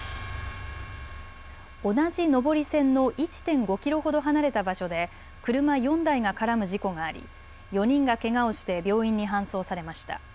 同じ上り線の１．５キロほど離れた場所で車４台が絡む事故があり、４人がけがをして病院に搬送されました。